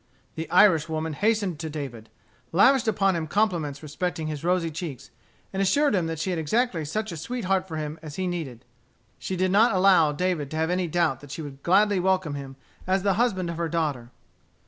The Irish woman hastened to David; lavished upon him compliments respecting his rosy cheeks, and assured him that she had exactly such a sweet heart for him as he needed. She did not allow, David to have any doubt that she would gladly welcome him as the husband of her daughter.